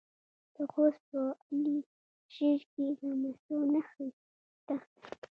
د خوست په علي شیر کې د مسو نښې شته.